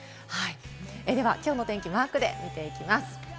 では今日の天気マークで見ていきます。